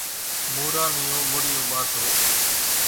موران نِيون مُڙِيون ٻانڌو۔